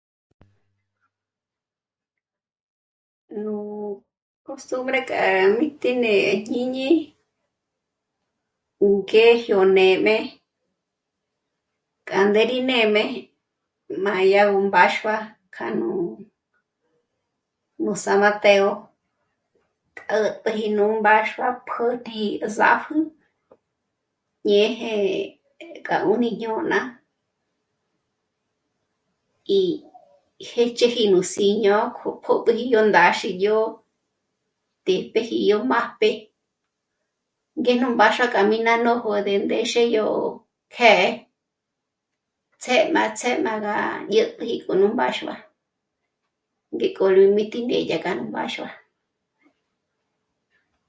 Nú costumbre k'a mítíñé'e íjñíni ngé jio né'me k'a ndé ríné'me mà yá gú mbáxua kanú San Mateo, k'ä̀ pjüji mbáxua pötji yó zàpjü ñěje k'a gú íjñôna í hêcheji nú sîñopjotüji yóndáxiyò téjpjeji yó mbájp'e ngé nú mbáxua k'a mí ná nójo ndé ndéxe k'a yó kjë̂'ë ts'ë má ts'ë má y'ä̀t'äji k'onú mbáxua ngéko rúmí ti né'e yá k'a nú mbáxua